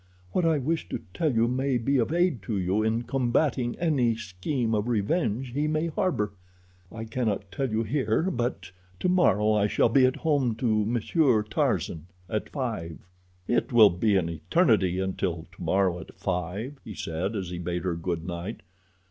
What I wish to tell you may be of aid to you in combating any scheme of revenge he may harbor. I cannot tell you here, but tomorrow I shall be at home to Monsieur Tarzan at five." "It will be an eternity until tomorrow at five," he said, as he bade her good night.